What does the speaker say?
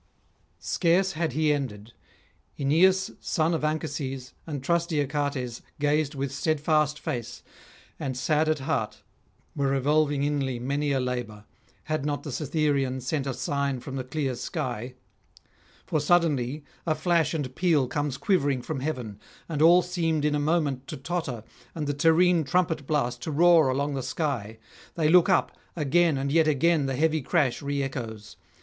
Scarce had he ended; Aeneas, son of Anchises, and trusty Achates gazed with steadfast face, and, sad at heart, were revolving inly many a labour, had not the Cytherean sent a sign from the clear sky. For suddenly a flash and peal comes quivering from heaven, and all seemed in a moment to totter, and the Tyrrhene trumpet blast to roar along the sky. They look up; again and yet again the heavy crash re echoes.